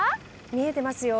見えてますよ。